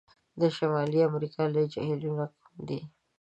د شمالي امریکا لوی جهیلونو کوم دي؟